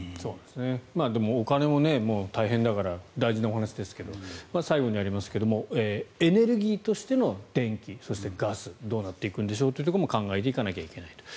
でも、お金も大変だから大事なお話ですけど最後にやりますがエネルギーとしての電気そしてガスどうなっていくんでしょうということも考えていかないといけない。